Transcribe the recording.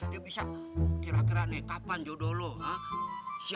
dia bisa kira kira nih kapan jodoh lu ha siapa lakinya begitu